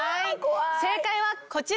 正解はこちら！